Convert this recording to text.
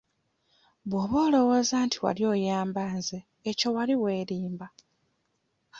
Bw'oba olowooza nti wali oyamba nze ekyo wali weerimba.